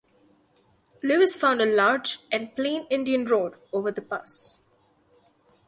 Lewis found a "large and plain Indian road" over the pass.